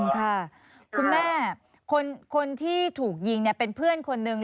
ค่ะคุณแม่คนที่ถูกยิงเป็นเพื่อนคนหนึ่ง